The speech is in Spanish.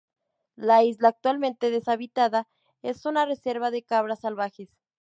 La isla, actualmente deshabitada, es una reserva de cabras salvajes.